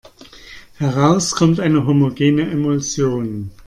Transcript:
Heraus kommt eine homogene Emulsion.